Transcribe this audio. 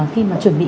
khi mà chuẩn bị